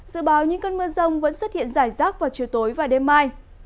dự báo những cơn mưa rông vẫn xuất hiện rải rác vào chiều tối và đêm mai